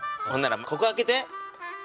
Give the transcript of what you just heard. ほんならここ開けて。